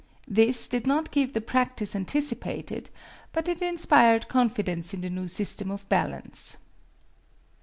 This did not give the practice anticipated, but it inspired confidence in the new system of balance.